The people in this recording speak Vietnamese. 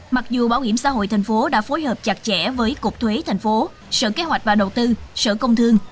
mặc dù bảo hiểm xã hội tp hcm đã phối hợp chặt chẽ với cục thuế tp sở kế hoạch và đầu tư sở công thương